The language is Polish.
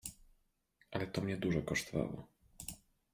— Ale to mnie dużo kosztowało.